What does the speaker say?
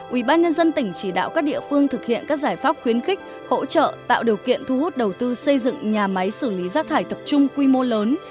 ubnd tỉnh chỉ đạo các địa phương thực hiện các giải pháp khuyến khích hỗ trợ tạo điều kiện thu hút đầu tư xây dựng nhà máy xử lý rác thải tập trung quy mô lớn